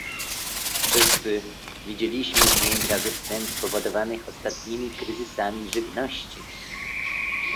Wszyscy widzieliśmy zdjęcia ze scen spowodowanych ostatnimi kryzysami żywności